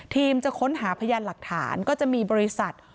จะค้นหาพยานหลักฐานก็จะมีบริษัท